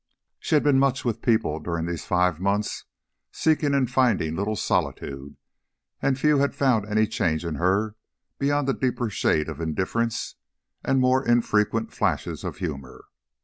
She had been much with people during these five months, seeking and finding little solitude, and few had found any change in her beyond a deeper shade of indifference and more infrequent flashes of humour.